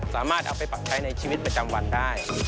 สามารถเอาไปปักใช้ในชีวิตประจำวันได้